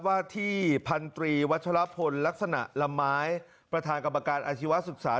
ว่าที่พันตรีวัชลพลลักษณะละไม้ประธานกรรมการอาชีวศึกษา